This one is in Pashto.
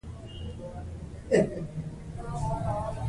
دا سپما مو له احتیاج څخه ساتي.